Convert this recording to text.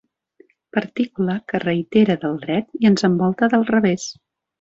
Partícula que reitera del dret i ens envolta del revés.